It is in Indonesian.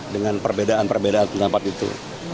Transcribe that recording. dengan perbedaan perbedaan pendapat itu